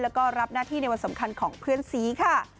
แล้วก็รับหน้าที่ในวันสำคัญของเพื่อนซีค่ะ